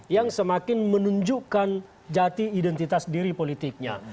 yang semakin menunjukkan jati identitas diri politiknya